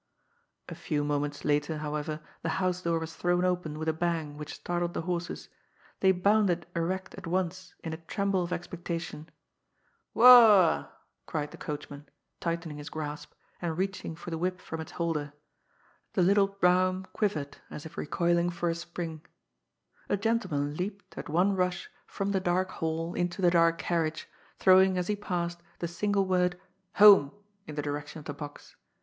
A few moments later, however, the house door was thrown open with a bang which startled the horses. They bounded erect at once in a tremble of expectation. " Wo — a !" cried the coachman, tightening his grasp, and reaching for .the whip from its holder. The little brougham quivered, as if recoiling for a spring. A gentleman leaped, at one rush, from the dark hall 8 GOD'S FOOL. into the dark carriage, throwing, as he passed, the single word " Home !" in the direction of the box.